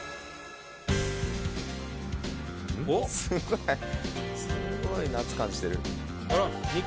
すごいすごい夏感じてる。